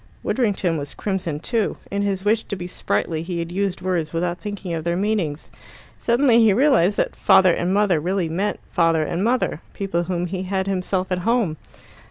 Widdrington was crimson too. In his wish to be sprightly he had used words without thinking of their meanings. Suddenly he realized that "father" and "mother" really meant father and mother people whom he had himself at home.